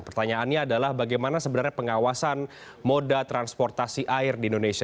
pertanyaannya adalah bagaimana sebenarnya pengawasan moda transportasi air di indonesia